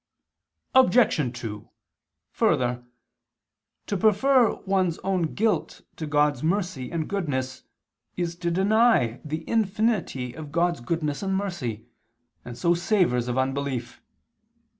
Obj. 2: Further, to prefer one's own guilt to God's mercy and goodness, is to deny the infinity of God's goodness and mercy, and so savors of unbelief.